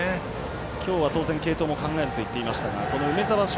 今日は当然、継投も考えるといっていましたが梅澤翔